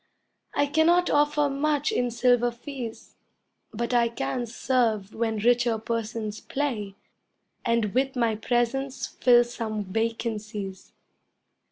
I cannot offer much in silver fees, But I can serve when richer persons play, And with my presence fill some vacancies.